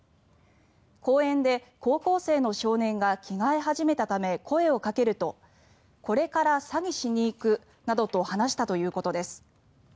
公園で高校生の少年が着替え始めたため、声をかけるとこれから詐欺しに行くとなどと話したということです。